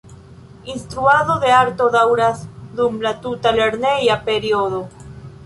Instruado de arto daŭras dum la tuta lerneja periodo.